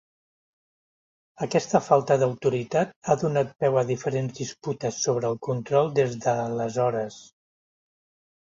Aquesta falta d'autoritat ha donat peu a diferents disputes sobre el control des d'aleshores.